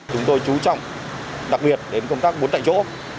chúng tôi chú trọng đặc biệt đến công tác bốn tại chỗ